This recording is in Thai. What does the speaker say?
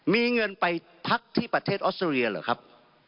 มีเงินไปพักที่ประเทศออสเตรเลียเหรอครับ